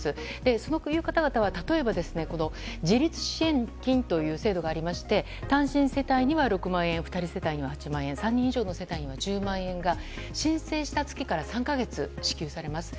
そういう方々は、例えば自立支援金という制度がありまして単身世帯には６万円２人世帯には８万円３人以上の世帯には１０万円が申請した月から３か月支給されます。